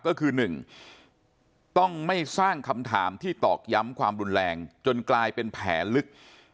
ก็คือ๑ต้องไม่สร้างคำถามที่ตอกย้ำความรุนแรงจนกลายเป็นแผลลึก